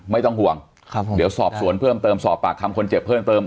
ไม่ต้องห่วงครับผมเดี๋ยวสอบสวนเพิ่มเติมสอบปากคำคนเจ็บเพิ่มเติม